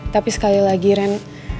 tapi sekali lagi ren